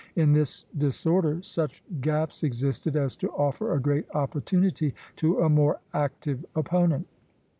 In this disorder such gaps existed as to offer a great opportunity to a more active opponent.